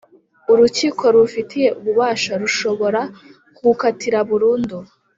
Urukiko rubifitiye ububasha rushobora kugukatira burundu